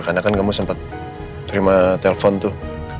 karena kan kamu sempat terima telepon tuh